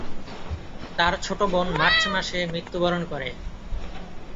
তার ছোট বোন মার্চ মাসে মৃত্যুবরণ করে।